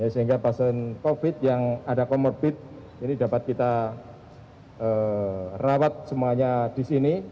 sehingga pasien covid yang ada comorbid ini dapat kita rawat semuanya di sini